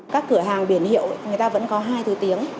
các cửa hàng biển hiệu ấy người ta vẫn có hai từ tiếng